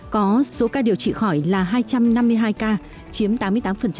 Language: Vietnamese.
có số ca điều trị khỏi là hai trăm năm mươi hai ca chiếm tám mươi tám